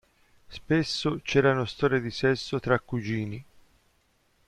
Spesso c'erano storie di sesso tra cugini.